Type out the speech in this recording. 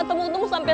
aku mau ke rumah